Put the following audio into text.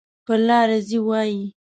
پر لار ځي وایي.